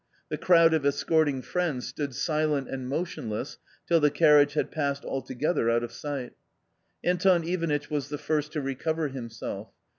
The crowd of escorting friends stood silent and motionless till the carriage had passed altogether out of sight. Anton Ivanitch was the first to recover himself.